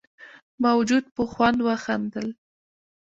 موجود په خوند وخندل.